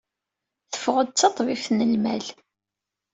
Teffeɣ-d d taṭbibt n lmal.